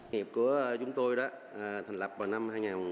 nhiều công nghiệp của chúng tôi thành lập vào năm hai nghìn chín